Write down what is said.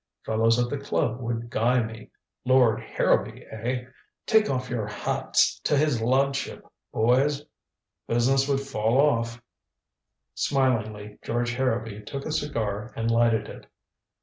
Fellows at the club would guy me. Lord Harrowby, eh! Take off your hats to his ludship, boys. Business would fall off." Smilingly George Harrowby took a cigar and lighted it.